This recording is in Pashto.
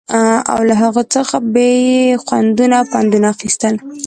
او له هغو څخه به يې خوندونه او پندونه اخيستل